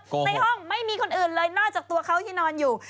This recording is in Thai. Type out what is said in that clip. ในห้องไม่มีคนอื่นเลยนอกจากตัวเขาที่นอนอยู่